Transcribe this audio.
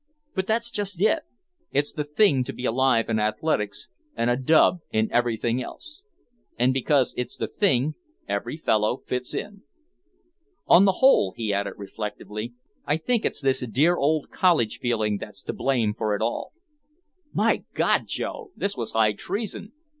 But that's just it. It's the thing to be alive in athletics and a dub in everything else. And because it's the thing, every fellow fits in. On the whole," he added reflectively, "I think it's this 'dear old college' feeling that's to blame for it all." "My God, Joe!" This was high treason!